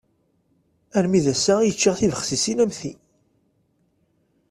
Armi d ass-a, i yeččiɣ tibexsisin am ti.